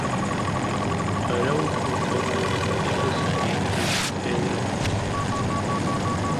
Araújo Cotes es descendiente de Pedro Araújo.